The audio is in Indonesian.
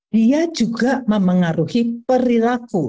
dia juga mempengaruhi perilaku